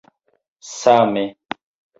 same